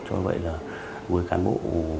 cho vậy là với cán bộ